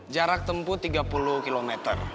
jarak tempuh tiga puluh km